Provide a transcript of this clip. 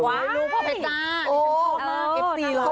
ไม่รู้ของเพชจ้า